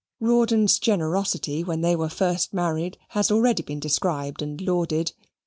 Rawdon's generosity, when they were first married, has already been described and lauded.